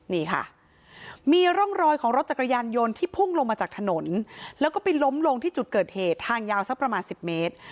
นี่ค่ะมีร่องรอยของรถจักรยานยนต์ที่พุ่งลงมาจากถนนแล้วก็ไปล้มลงที่จุดเกิดเหตุทางยาวสักประมาณ๑๐เมตร